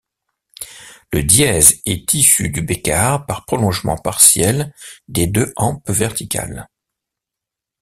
Le dièse est issu du bécarre par prolongement partiel des deux hampes verticales.